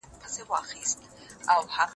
د نېکو ملګرو ناسته په ژوند کې غنیمت وګڼئ.